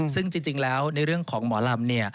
ซึ่งจริงแล้วในเรื่องของหมอลำ